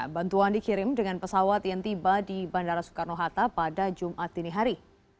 bantuan dikirim dengan pesawat yang tiba di bandara soekarno hatta pada jumat dini hari